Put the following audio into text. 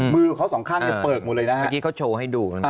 มือเขาสองข้างก็เปิดหมดเลยนะฮะ